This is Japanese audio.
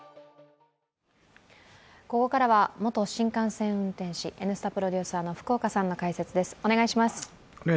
ここからは元新幹線運転士「Ｎスタ」プロデューサーの福岡さんの解説です。